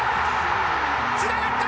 つながった！